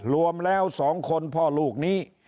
รวมแล้ว๒คนพ่อลูกนี้